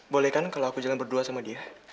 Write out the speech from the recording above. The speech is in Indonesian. boleh kan kalau aku jalan berdua sama dia